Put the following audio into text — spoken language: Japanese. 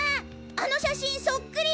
あの写真そっくり！